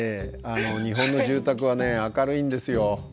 日本の住宅はね明るいんですよ。